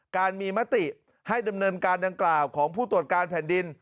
การมีมติให้ดำเนินการดังกล่าวของผู้ตรวจการแผ่นดิน